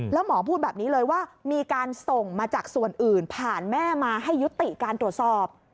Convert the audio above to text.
แล้วหมอพูดแบบนี้เลยว่ามีการส่งมาจากส่วนอื่นผ่านแม่มาให้ยุติการตรวจสอบ